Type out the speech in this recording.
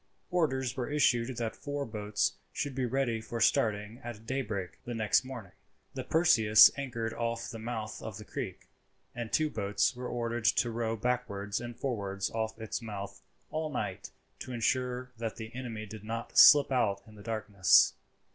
Orders were issued that four boats should be ready for starting at daybreak the next morning. The Perseus anchored off the mouth of the creek; and two boats were ordered to row backwards and forwards off its mouth all night to ensure that the enemy did not slip out in the darkness.